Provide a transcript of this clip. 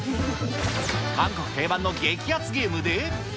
韓国定番の激アツゲームで。